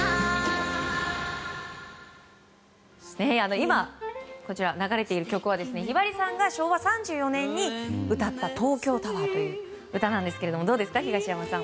今、流れている曲はひばりさんが昭和３４年に歌った「東京タワー」という歌なんですがどうですか、東山さん。